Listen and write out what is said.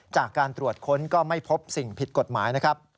จากการตรวจค้นก็ไม่พบสิ่งผิดกฎหมายนะครับ